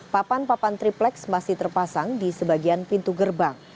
papan papan triplex masih terpasang di sebagian pintu gerbang